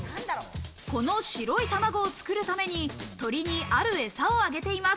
この白い卵を作るために、鶏にあるエサをあげています。